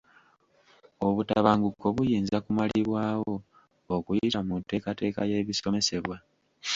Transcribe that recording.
Obutabanguko buyinza kumalibwawo okuyita mu nteekateeka y'ebisomesebwa.